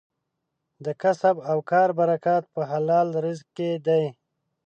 د کسب او کار برکت په حلال رزق کې دی.